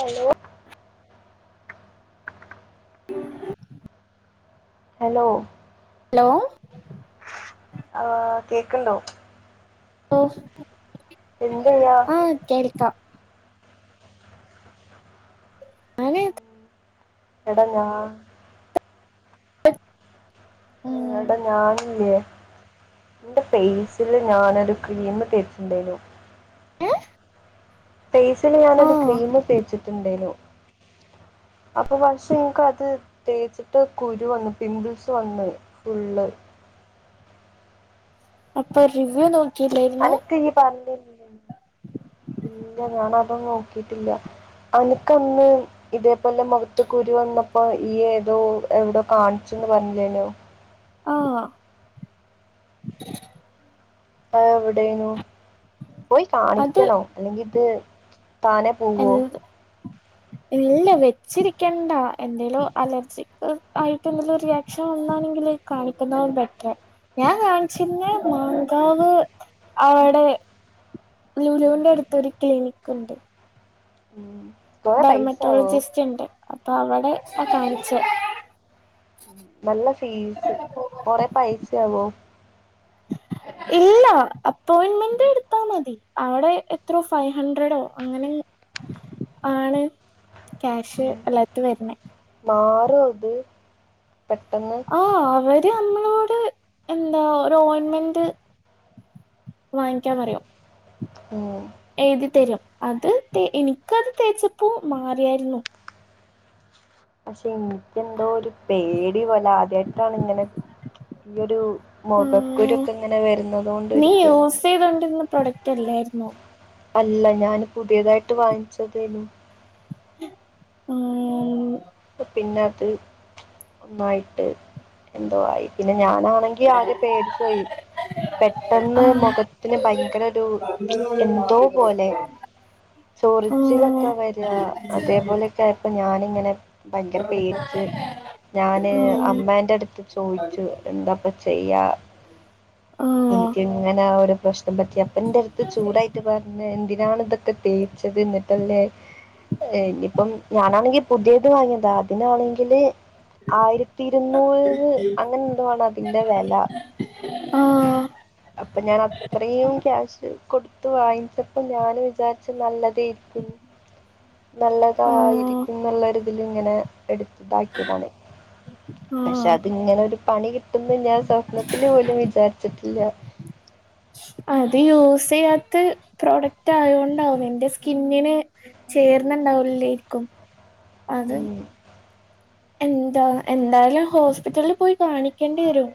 Hello hello ലോ ആ കേക്ക്ണ്ടോ ഓ എന്തെയ്യാ ആ കേൾക്കാം അതെ എടാ ഞാ ഉം, എടാ ഞാനില്ലേ ന്റെ ഫെയ്സില് ഞാനൊരു ക്രീം തേച്ചിട്ട്ണ്ടേരുന്നു ഏ ഫേസില് ആ ഞാനൊരു ക്രീം തേച്ചിട്ട് ണ്ടെനു അപ്പൊ പക്ഷെ ഇൻക്കത് തേച്ചിട്ട് കുരു വന്നു പിംമ്പിൾസ് വന്നു ഫുള്ള് അപ്പോ റിവ്യൂ നോ- അനക്ക് ഈ പറഞ്ഞത് ഇപ്പ നോക്കിട്ടില്ല അനക്ക് അന്ന് ഇതേപോലെ മൊഖത്ത് കുരു വന്നപ്പോ ഈ ഏതോ എവിടോ കാണിചെന്ന് പറഞ്ഞില്ലേനോ ആ ആ എവിടെനു പോയി അത് കാണിക്കണോ അല്ലെങ്കിത്- താനെ പോവോ എന്ത് ഇല്ല വെച്ചിരിക്കണ്ട എന്തേലും അലർജിക്ക് ആയിട്ട് എന്തെലും റിയാക്ഷൻ വന്നാണെങ്കില് കാണിക്കുന്നതാവും ബെറ്റർ ഞാൻ കാണിച്ചിരുന്ന മാങ്കാവ് അവടെ ലുലുന്റെടുത്തൊരു ക്ലിനിക്കുണ്ട് ഉം. കൊറേ പൈസ ആവോ ഡെർമറ്റോളജിസ്റ്റ്ണ്ട് അപ്പൊ അവിടെ ആ കാണിച്ചോ നല്ല ഫീസ് കൊറെ പൈസയാവോ ഇല്ല അപ്പോയിൻന്മെന്റ് എടുത്താ മതി അവിടെ എത്രോ ഫൈ ഹൺഡ്രഡ് അങ്ങനെ എങ്ങോ ആണ് ക്യാഷ് അല്ലാത്ത വരണേ അത് [unintelligible] ആ അവര് ഇത് നമ്മളോട് എന്താ ഒരു ഓയിൻമെന്റ് വാങ്ങിക്കാപറയും ഉം എഴുതി തരും അത് എനിക്കത് തേച്ചപ്പോ മാറിയായിരുന്നു [unintelligible] എന്തോ ഒരു പേടി പോലെ ആദ്യമായിട്ടാണ് ഇങ്ങനെ ഈ ഒരു ഉം മൊഖക്കുരുക്കെ ഇങ്ങനെ വരുന്നത കൊണ്ട് ഒരു നീ യൂസ് പേടി ചെയ്തോണ്ടിരുന്ന പ്രൊഡക്റ്റ് അല്ലായിരുന്നോ അല്ല ഞാൻ പുതിയതായിട്ട് വാങ്ങിച്ചതേനു ആ പിന്നെ അത് ന്തോ ആയിട്ട് ന്തോ ആയി പിന്നെ ഞാനാണെങ്കിൽ ആകെ പേടിച്ചോയി ആ പെട്ടന്ന് മുഖത്തിന് ഭയങ്കര ഒരു എന്തോ പോലെ ആ ചൊറിച്ചിലൊക്കെ വരാ അതേപോലൊക്കെയായപ്പോ ഞാൻ അങ്ങനെ ഭയങ്കര പേടിച്ച് ഞാന് അമ്മേന്റെ അടുത്ത് ചോയ്ച്ചു എന്താപ്പ ചെയ്യാ ആ എനിക്ക് ഇങ്ങനെ ഒരു പ്രശ്നം പറ്റി അപ്പന്റെ അടുത്ത് ചൂടായിട്ട് പറഞ്ഞ് എന്തി ന്തിനാണ് ഇതൊക്കെ തേച്ചത് എന്നിട്ടല്ലേ ഏഹ് ഇനീഇപ്പം ഞാനാണെങ്കിൽ പുതിയ ത് വാങ്ങിയതാ അതിനാണെങ്കി അതില് ആയിരത്തി ഇരുന്നൂറ് അങ്ങനെന്തോ ആണ് അതിന്റെ വില. ആ അപ്പൊ ഞാന് അത്രയും ക്യാഷ് കൊട്ത്ത് വാങ്ങിച്ചപ്പം ഞാന് വിചാരിച്ച് നല്ലത് [unintelligible] ആ നല്ലതായിരിക്കും ന്ന്ള്ള ഒര്ത്ൽങ്ങനെ എട്ത്തതാക്കിയതാണ്. ആ പക്ഷെ അതിങ്ങനെ ഒരു പണി കി അന്ന് ഞാൻ സ്വപ്നത്തില് പോലും വിചാരിച്ചിട്ടില്ല അത് യൂസ്യ്യാത്ത് പ്രോഡക്റ്റ് ആയത് കൊണ്ടാവും എന്റെ സ്കിന്നിന് ചേര്ണ് ണ്ടാവലല്ലേയിരിക്കും. ഉം എന്താ എന്തായാലു ഹോസ്പിറ്റലിൽ പോയി കാണിക്കേണ്ടി വെരും.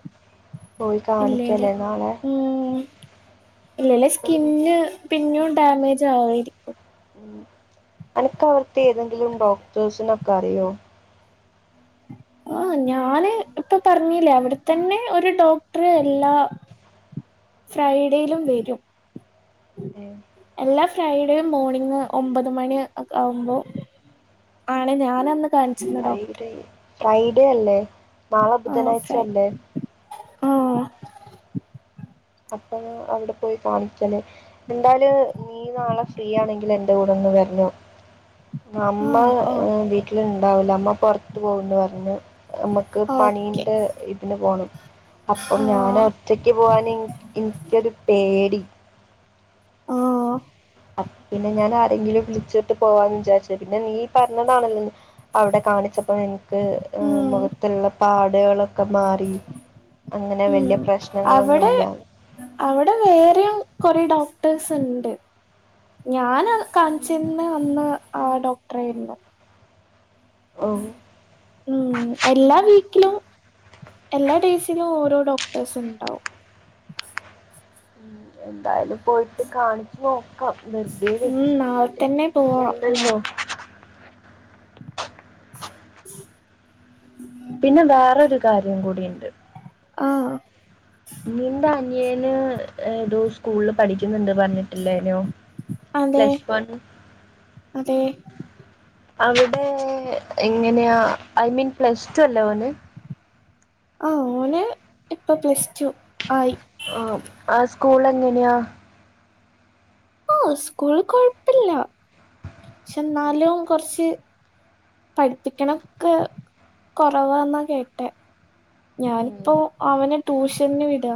പോയി കാണിക്കല്ലേ നാളെ. ഇല്ലല്ലെ സ്കിന്ന് പിന്നും ഡാമേജ് ആയിരിക്കും. ഉം അനക്ക് അവിട്ത്തെ ഏതെങ്കിലും ഡോക്ടേഴ്സിനൊക്കെ അറിയോ? ആ ഞാന് ഇപ്പൊ പറഞ്ഞില്ലേ അവിട്ത്തന്നെ ഒരു ഡോക്ടർ എല്ലാ ഫ്രൈഡേയിലും വരും എല്ലാ ഫ് ഫൈടെയും മോർണിംങ് ഒമ്പത് മണി ഓക്കെ ആവുമ്പോ ആണ് ഞാനന്ന് കാണിച്ചിരുന്ന ഡോക്ടർ ഫ്രൈഡേ ഫ്രൈഡേ അല്ലേ നാളെ ആഹ് ബുധനാഴ്ച ഫ്രൈ അല്ലേ ആഹ് എപ്പഴോ അവിടെ പൊയ് കാണിക്കല് എന്താല് നീ നാളെ ഫ്രീ ആണെങ്കില് എന്റെ കൂടെ ഒന്ന് വര് നം അമ്മ ആഹ് ഓ ഏ വീട്ടില്ണ്ടാവൂല അമ്മ പുറത്തുപോവുംന്ന് പറഞ്ഞ് അമ്മക്ക് ഓക്കെ പണീന്റെ ഇതിന് പോണം അപ്പൊ ഞാന് ആഹ് ഒറ്റക്ക് പോവാന് എനിക്ക് നിക്കൊരു പേടി ഓ ഓ അപ് പിന്നെ ഞാൻ ആരെങ്കിലും വിളിച്ചിട്ട് പോവാന്ന് വിചാരിച്ച് പിന്നെ നീ പറഞ്ഞതാണല്ലോ അവിടെ കാണിച്ചപ്പോ എനിക്ക് ഉം മുഖത്തുള്ള പാട് അടയാളം ഉം അവടെ പ്രശ്നങ്ങളൊന്നുമില്ല. അവടെ വേറെയും കൊറേ ഡോക് ഡോക്ടർസ്ണ്ട് ഞാന് കാൺച്ചീന്ന അന്ന് ആ ഡോക്ടറെണ്ട് ഉം. ഉം എല്ലാ വീ ക്കിലും എല്ലാ ഡേസിലും ഓരോ ഡോക്ടേഴസും ഉണ്ടാവും ഉം, എന്തായാലും പോയിട്ട് കാണിച്ചു നോക്കാം ഉം നാളെ തന്നെ പോവാ എന്നാ [unintelligible] പിന്നെ വേറ ഒരു കാര്യം കൂടിണ്ട് ആഹ് നിന്റെ അനിയേന് ഏതോ സ്കൂൾ പഠിക്കുന്നുണ്ട് പറഞ്ഞിട്ടില്ലെനിയോ അതെ പ്ലസ് വൺ അതെ അവിടെ എങ്ങനെയാ ഐ മീൻ പ്ലസ് ടു അല്ല ഓന് ആഹ് ഓൻ ഇപ്പോ പ്ലസ് ടു ആയി ഓഹ് അസ് സ്കൂൾ എങ്ങനെയ ആഹ് സ്കൂള് കൊഴപ്പില്ല പക്ഷെ എന്നാലും കൊറച്ച് പഠിപ്പിക്കണ ക്കെ കൊറവാന്നാ കേട്ടെ ഉം. ഞാനിപ്പോ അവന ടുഷ് ചെന്ന വീടാ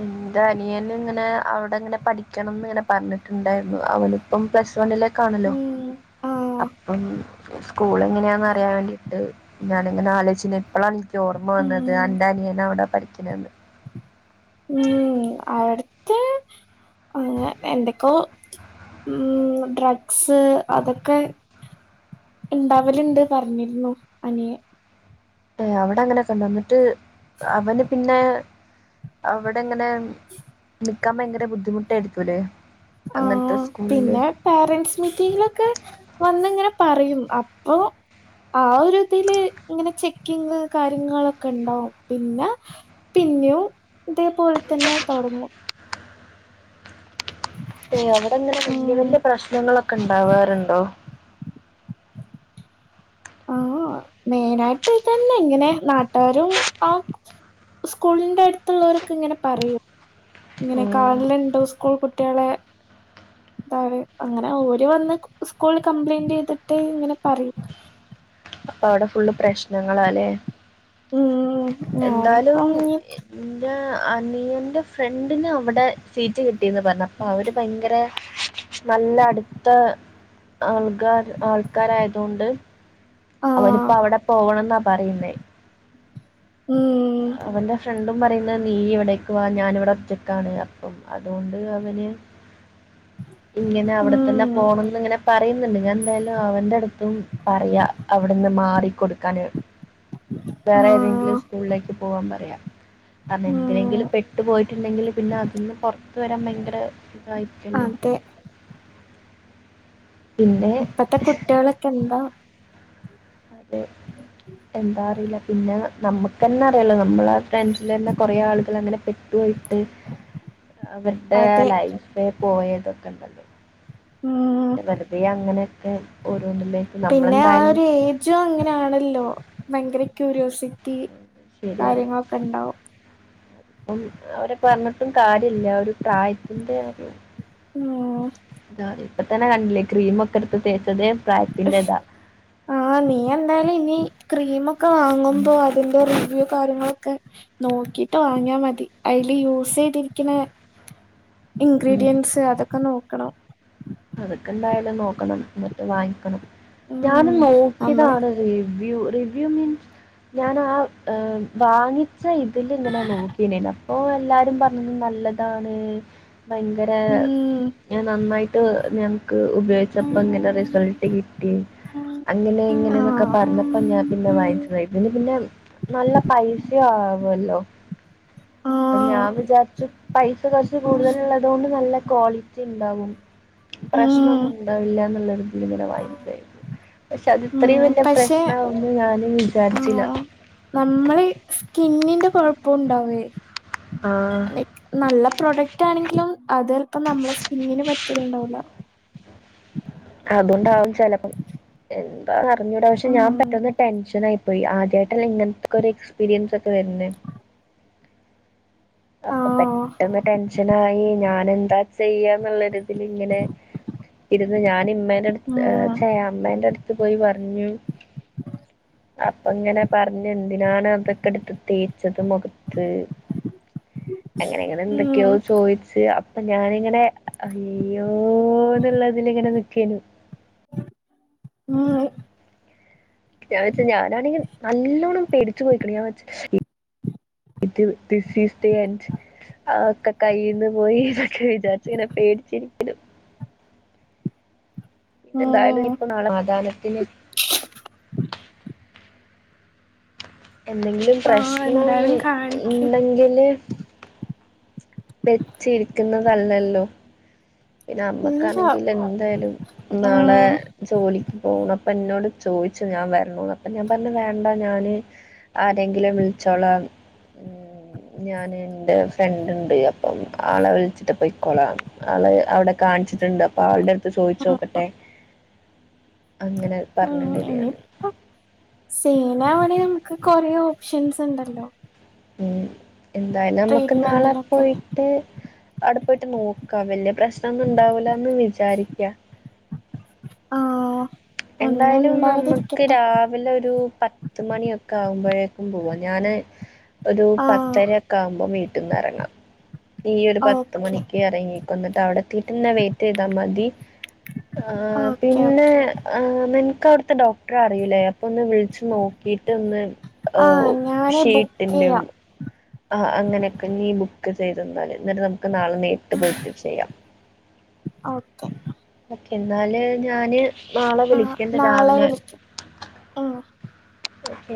ഇന്റെ അനിയൻ ഇങ്ങനെ അവിടെങ്ങനെ പഠിക്കണം ന്ന് ഇങ്ങനെ പറഞ്ഞിട്ടുണ്ടായിരുന്നു അവനി ഇപ്പം പ്ലസ് വണിൽ കാണല്ലോ ഉം ആഹ് അപ്പം സ്കൂൾ എങ്ങനെയാന്ന് അറിയാൻ വേണ്ടിട്ട് ഞാൻ ഇങ്ങനെ ആലോചന് അപ്പളാണ് എനിക്ക് ഓർമ്മ ഉം വന്നത് അന്റാനിയനെ അവിടെ പ [unintelligible] ഉം അവ്ട്ത്തെ അ എന്തക്കോ ഉം ഡ്രഗ്സ് അതൊക്കെ ണ്ടാവല്ണ്ട് പറഞ്ഞിരുന്നു അനിയൻ ഏ അവിടെ അങ്ങനൊക്കെണ്ടോ ന്ന്ട്ട് അവന് പിന്നെ അവടങ്ങനെ നിക്കാൻ ഭയങ്കര ബുദ്ധിമുട്ടായിരിക്കുല്ലേ ആ പിന്നെ പേരന്റ്സ് മീറ്റിങ്ങിലൊക്കെ വന്നിങ്ങനെ പറയും അപ്പൊ ആ ഒരുതില് ങ്ങനെ ചെക്കിങ് കാര്യങ്ങളൊക്കെ ണ്ടാവും പിന്നെ പിന്നെയും ഇതേപോലെ തന്നെ തൊട്ങ്ങും അ അവിടെങ്ങനെ വെല്യ ഉം വെല്യ പ്രശ്നങ്ങളൊക്കെ ണ്ടാവാറുണ്ടോ ആ മെയിനായിട്ട് ഇതെന്നെ ഇങ്ങനെ നാട്ടാരും ആ സ്കൂളിന്റെ അടുത്തുള്ളവരൊക്കെങ്ങനെ പറയും ഇങ്ങനെ ഉം കാണല് ണ്ട് സ് കൂൾ കുട്ട്യാള് പറയും അങ്ങനെ ഓര് വന്ന് സ്കൂള് കംപ്ലൈയിന്റെയ്തിട്ട് ങ്ങനെ പറയും അപ്പൊ അവടെ ഫുള്ള് പ്രശ്നങ്ങളാല്ലെ ഉം ഞാനിപ്പോ ഞ്ഞി ആ നീ എന്റെ ഫ്രണ്ട് രണ്ടിനും അവ്ടെ സീറ്റ് കിട്ടീന്ന് പർണ് അപ്പ അവര് ഭയങ്കര നല്ല അട്ത്ത ആൾകാര് ആൾക്കാരായാതൊണ്ട് അവനിപ്പ ആഹ് അവ്ടെ പോകണംന്നാ പറയിന്നെ ഉം അവന്റെ ഫ്രണ്ടും അവൻ പറയുന്നെ നീ ഇവിടെക്ക് വാ ഞാൻ ഇവ്ടെ ഒറ്റക്കാണ് അപ്പോ അതുകൊണ്ട് അവന് ഇങ്ങനെ അവ്ടെത്തെന്നെ ഉം പോണംന്ന് ഇങ്ങനെ പറയ്ന്ന്ണ്ട് ഞാൻ എന്തായാലും അവന്റെ അടുത്തും പറയാ അവ്ട്ന്ന് മാറി കൊട്ക്കാന് വേറെ ഏതെങ്കിലും ആഹ് സ്കൂളിലേക്ക് പോവാൻ പറയാ കാരണം ഉം എന്തിനെങ്കിലും പെട്ട് പോയിട്ടുണ്ടെങ്കിൽ പിന്നെ അതിന്ന് പൊറത്ത് വരാൻ ഭയങ്കര ഇതായിരിക്കല്ലോ അതെ പിന്നെ ഇപ്പത്തെ കുട്ടാളൊക്കെ എന്താ അതെ എന്താ അറിലാ പിന്നെ നമ്മക്കെന്നെ അറിയാലൊ നമ്മളെ ഫ്രണ്ടസ്‌ലെന്നെ കൊറേ ആളുകൾ അങ്ങനെ പെട്ട് പോയിട്ട് അവര്ടെ അതെ ലൈഫെ പോയതൊക്കെ തന്നെ ഉം വെറുതെ അങ്ങനെയൊക്കെ ഓരോന്നിലേക്ക് പിന്നെ ആ നമ്മളെന്തായാലും ഒരു ഏജും അങ്ങനെയാണല്ലോ ഭയങ്കര ക്യൂരിയോസിറ്റി കാര്യങ്ങളൊക്കെ ഇണ്ടാവും അപ്പോ അവരെ പറഞ്ഞിട്ടും കാര്യയില്ല ഒരു പ്രായത്തിന്റെ ഒരു മ്മ് താ ഇപ്പ തന്നെ കണ്ടിലെ ക്രീമൊക്കെ ഇട്ത്ത് തേച്ച് ശ് ആ നീ എന്തായാലും ഇനി ക്രീമൊ ഒക്കെ വാങ്ങുമ്പോ അതിന്റെ റിവ്യൂ കാര്യങ്ങളൊക്കെ നോക്കിട്ട് വാങ്ങിയാ മതി അയിൽ യൂസ് ചെയ്തിരിക്ക്ണെ ഉം. ഇൻഗ്രീഡിയൻസ് അതൊക്കെ നോക്കണം അതൊക്കെ എന്തായാലും നോക്കണം ഇന്നട്ട് വാങ്ങിക്കണം ഞാനും ഉം നമ്മള് നോക്കിയതാണ് രീ റിവ്യൂ റിവ്യൂ മീൻസ് ഞാൻ ആ ഏ വാങ്ങി ച്ചാ ഇതില് ഇങ്ങനെ നോക്കെയ്നെലോ അപ്പ എല്ലാരും പറഞ്ഞ് നല്ലതാണ് ഭയങ്കര ഉം ഞാൻ നന്നായി ഞാൻ ക്ക് ഉപയോഗിച്ചപ്പോ ഇങ്ങനെ റിസൾട്ട് കിട്ടി അങ്ങനെ ഇങ്ങനെന്നൊക്കെ ആഹ് പറഞ്ഞപ്പോ ഞാൻ പിന്നെ വാങ്ങിച്ചതായി ഇതിന് പിന്നെ നല്ല പൈസയുവാ അവർക്ക് പോവല്ലോ അപ്പ ഞാൻ ആഹ് വിചാരിച്ചു പൈസ കൊർച്ച് കൂടുതലുള്ളതോണ്ട് നല്ല ക്വാളിറ്റി ണ്ടാവും ഉം പ്രശ്നൊന്നും ണ്ടാവില്ല ന്നുള്ളരൊതിലിങ്ങനെ വായിക്കായിരുന്നു പക്ഷെ അത് ഇത്രമ് ഉം വല്ല്യ പക്ഷെ പ്രശ്നാവുന്ന് ഞാനും വിചാര്ച്ല കിന്നിന്റെ കൊഴപ്പുണ്ടാവേ ആഹ് [unintelligible] നല്ലേ പ്രൊഡക്റ്റ് ആണെങ്കിലും അതെൽപ്പം നമ്മളെ സ്കിന്നിന് പറ്റല്ണ്ടാവുല അതുകൊണ്ടാവും ചെലപ്പം പറഞ്ഞൂട പക്ഷെ ഉം ഞാ പെട്ടന്ന് ടെൻഷൻ ആയി പോയി ആദ്യമായിട്ടല്ലെ ഇങ്ങൻ ത്തൊക്കെ ഒരു എക്സ്പീരിയൻസ് ഒക്കെ വര്ന്നേ അപ്പൊ ആഹ് പെട്ടെന്ന് ടെൻഷനായി ഞാന് ചെയ്യാന്നുള്ളരു ഇത്ൽ ഇങ്ങനെ ഇര്ന്ന് ഞാനിമ്മേന്റെ ഉം അട്ത്ത് ചെയ അമ്മേന്റെ അട്ത്ത് പോയി പ ഞ്ഞു അപ്പൊ ഇങ്ങനെ പറഞ്ഞൂ എന്തിനാണ് അതൊക്കെ എട്ത്ത് തേച്ചത് മൊഖത്ത് അങ്ങനെങ്ങനെ എന്തൊക്കെയോ ഉം ചോയിച്ച് അ പ്പം ഞാനിങ്ങനെ അയ്യോന്നുള്ളതിൽ ഇങ്ങനെ നിക്കേനു മ്മ്ന്ന് ഞാൻ വെച്ച ഞാനാണെങ്കിൽ നല്ലോണം പേടിച്ചു പോയിക്കണം ഞാൻ വെച്ച ദിസ് ഈസ് ദി എൻഡ് ഒക്കെ കയ്യിന്ന് പോയി ന്നൊക്കെ വിചാരിച്ച് ഇങ്ങനെ പേടിച്ചിരിക്ക്ണ് പിന്നെ എന്തായാലും ഉം ഇപ്പൊ നാളെ സമാധാനത്തിന് എന്തെങ്കിലും ആഹ് പ്രശ്നം എന്തായാലും കാണിക്ക് ഇണ്ടെങ്കില് വെച്ചിരിക്കുന്നതല്ലല്ലോ പിന്നെ ഇല്ല നമ്മക്കാണെങ്കിൽ എന്തായാലും നാളെ ഉം ജോലിക്ക് പോണം അപ്പൊ ന്നോട് ചോയ്ച്ച് ഞാൻ വരണോന്ന് അപ്പൊ ഞാൻ പറഞ്ഞ് വേണ്ട ഞാന് ആരെങ്കിലും വിളിച്ചോളാം ഉം ഞാന് ഇന്റെ ഫ്രണ്ട് ഇണ്ട് അപ്പം ആളെ വിളിച്ചിട്ട് പോയിക്കൊള ആളെ അവിടെ കാണിച്ചിട്ടുണ്ട് അപ്പൊ ആളുടെ ചോയ്ച്ചൊക്കട്ടെ അങ്ങനെ പറഞ്ഞൊണ്ടരിയാണ് പെയ്നാവണെങ്കി നമുക്ക് കൊറേ ഓപ്ഷൻസ് ഇണ്ടല്ലോ ഉം എന്തായാലും നമ്മക്ക് നാളെ ട്രീറ്റ്മെന്റിനൊക്കെ പോയിട്ട് അഒടെ പോയിട്ട് നോ ക്ക വല്യ പ്രശ്നൊന്നും ഇണ്ടാവൂലാന്ന് വിചാരിക്ക [unintelligible] ഒന്നും എന്തായാലും നമ്മക്ക് ഉണ്ടാവാതിരിക്കട്ടെ രാവിലെ ഒരു പത്ത് മണിയൊക്കെ ആകുമ്പോ ക്കും പോവ ഞാന് ഒരു ആഹ് പത്തരൊക്കെ ആവ്മ്പം വെ ട്ട്ന്ന് എറങ്ങാം നീ ഒരു പത്ത് ഓക്കെ മണിക്ക് എറങ്ങിക്കോ ഇന്നാ [unintelligible] ത്തീട്ട് ന്നെ വെയ്റ്റ് ചെയ്താ മതി ആഹ് ഓക്കെ പിന്നെ ഓക്കെ നിൻക്കവ്ട്ത്തെ ഡോക്ടറെ അറീലെ അപ്പൊ ഒന്ന് വിളി ച്ച് നോക്കിട്ടൊന്ന് ഏഹ് ആഹ് ഞാന് ബുക്ക് ഷീട്ട്ന്റെ ചെയ്യാം ഒന്ന് ആഹ് അങ്ങനെക്കെ നീ ബുക്ക് ചെയ്തോ എന്നാല് [unintelligible] ക്ക് നാളെ നേരിട്ട് പോയിട്ട് ചെയ്യാ ഓക്കെ. ഓക്കെ എന്നാല് ഞാന് നാളെ ആഹ് വിളിക്കണ്ട് നാളെ രാവിലെ വിളിക്ക് ഉം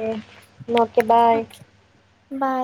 എന്നാ ഓക്കെ ബൈ. Okay by